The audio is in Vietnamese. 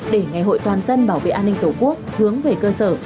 để ngày hội toàn dân bảo vệ an ninh tổ quốc hướng về cơ sở